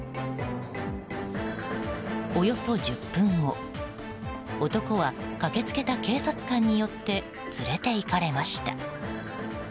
およそ１０分後男は駆け付けた警察官によって連れていかれました。